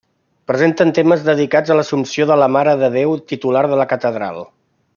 Presenten temes dedicats a l'Assumpció de la Mare de Déu, titular de la Catedral.